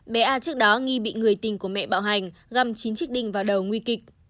bé a trước đó nghi bị người tình của mẹ bạo hành găm chín chiếc đinh vào đầu nguy kịch